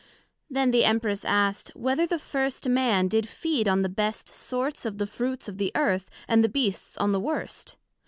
Then the Empress asked, Whether the first Man did feed on the best sorts of the Fruits of the Earth, and the Beasts on the worst?